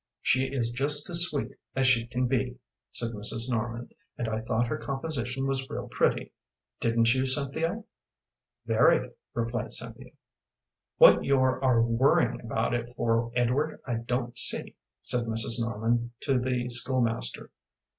"She is just as sweet as she can be," said Mrs. Norman, "and I thought her composition was real pretty. Didn't you, Cynthia?" "Very," replied Cynthia. "What your are worrying about it for, Edward, I don't see," said Mrs. Norman to the school master.